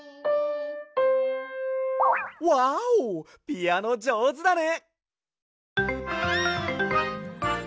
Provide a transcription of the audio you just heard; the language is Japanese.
ピアノじょうずだね！